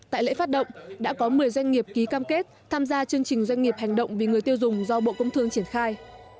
tại lễ phát động đã có một mươi doanh nghiệp ký cam kết tham gia chương trình doanh nghiệp hành động vì người tiêu dùng do bộ công thương triển khai